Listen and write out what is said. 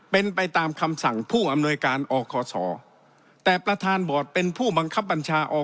เป็นไปตามคำสั่งผู้อำนวยการอคศแต่ประธานบอร์ดเป็นผู้บังคับบัญชาอ